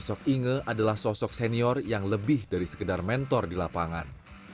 sosok inge adalah sosok senior yang lebih dari sekedar mentor di lapangan